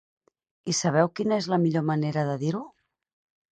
I sabeu quina és la millor manera de dir-ho?